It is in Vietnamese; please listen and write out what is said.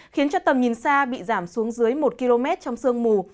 khiến cho tầm nhìn xa bị giảm xuống dưới một km trong sương mù